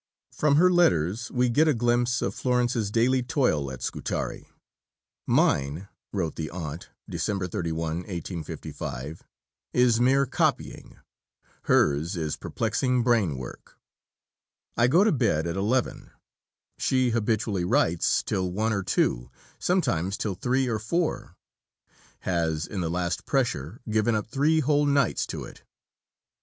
From her letters we get a glimpse of Florence's daily toil at Scutari. "Mine," wrote the aunt (Dec. 31, 1855), "is mere copying; hers is perplexing brain work. I go to bed at 11; she habitually writes till 1 or 2, sometimes till 3 or 4; has in the last pressure given up 3 whole nights to it.